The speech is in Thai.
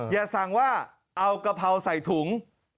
อย่าสั่งว่าเอากะเพราใส่ถุง